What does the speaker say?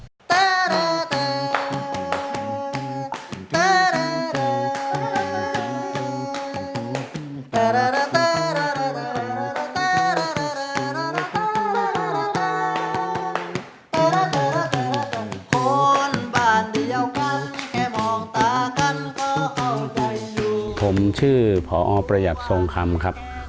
คนบ้านเดียวกันแค่มองตากันก็เข้าใจผมชื่อพอประหยัดทรงคำครับ